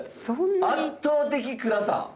圧倒的暗さ。